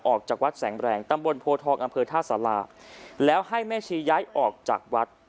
ออกจากวัดแสงแรงตำบลโพทองอำเภอท่าสาราแล้วให้แม่ชีย้ายออกจากวัด